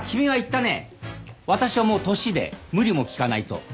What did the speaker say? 私はもう年で無理も利かないと。